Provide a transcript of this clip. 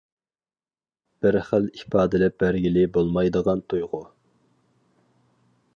بىر خىل ئىپادىلەپ بەرگىلى بولمايدىغان تۇيغۇ.